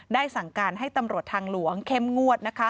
สั่งการให้ตำรวจทางหลวงเข้มงวด